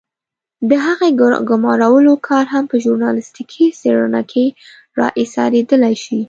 د هغې د ګمارلو کار هم په ژورنالستيکي څېړنه کې را اېسارېدلای شي.